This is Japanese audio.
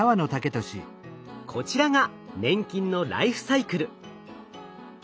こちらが粘菌のライフサイクル。